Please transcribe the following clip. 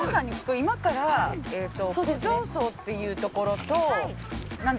今から古城荘っていうところと。